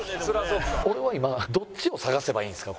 俺は今どっちを探せばいいんですか？